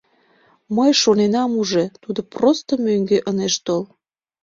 — Мый шоненам уже, тудо просто мӧҥгӧ ынеж тол.